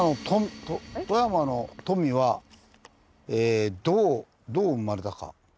「富山の“富”はどう生まれたか」。